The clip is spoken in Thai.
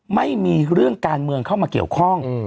ไม่มีเรื่องการเมืองเข้ามาเกี่ยวข้อง